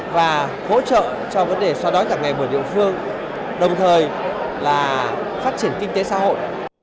và hỗ trợ cho vấn đề so đoán cả ngày mùa điệu phương đồng thời là phát triển kinh tế xã hội